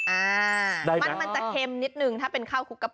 อ่ามันมันจะเค็มนิดนึงถ้าเป็นข้าวคลุกกะป